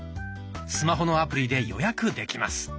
スマホのアプリで予約できます。